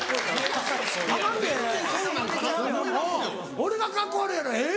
俺がカッコ悪いやろ「えぇ！」